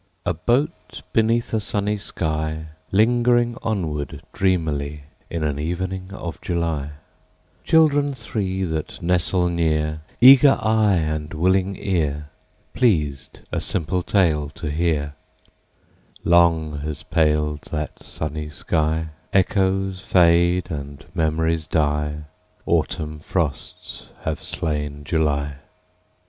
A boat beneath a sunny sky, Lingering onward dreamily In an evening of July— Children three that nestle near, Eager eye and willing ear, Pleased a simple tale to hear— Long has paled that sunny sky: Echoes fade and memories die. Autumn frosts have slain July.